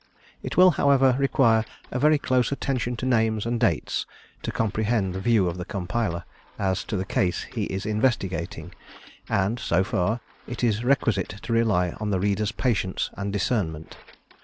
It will, however, require a very close attention to names and dates to comprehend the view of the compiler, as to the case he is investigating; and, so far, it is requisite to rely on the reader's patience and discernment.